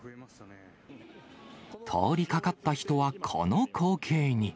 通りかかった人はこの光景に。